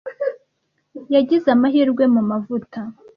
Yagize amahirwe mu mavuta.